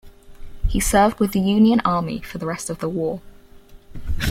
He served with the Union Army for the rest of the war.